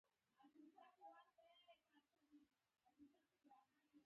زړه د صداقت رڼا ده.